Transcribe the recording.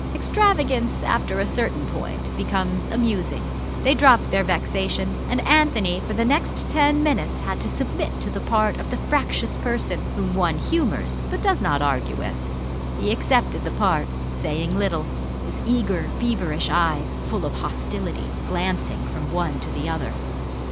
Extravagance after a certain point becomes amusing. They dropped their vexation, and Anthony for the next ten minutes had to submit to the part of the fractious person whom one humours but does not argue with. He accepted the part, saying little, his eager, feverish eyes, full of hostility, glancing from one to the other.